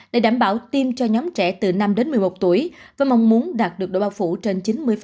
để đảm bảo tiêm cho nhóm trẻ từ năm đến một mươi một tuổi với mong muốn đạt được độ bao phủ trên chín mươi